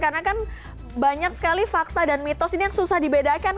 karena kan banyak sekali fakta dan mitos ini yang susah dibedakan